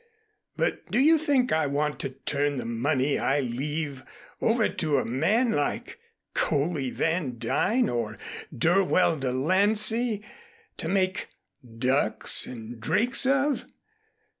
But do you think I want to turn the money I leave over to a man like Coley Van Duyn or Dirwell De Lancey to make ducks and drakes of?